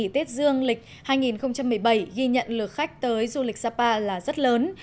tết dương lịch hai nghìn một mươi bảy ghi nhận lượt khách tới du lịch sapa là rất lớn